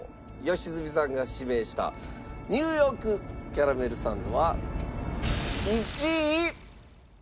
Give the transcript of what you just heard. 良純さんが指名したＮ．Ｙ．キャラメルサンドは１位。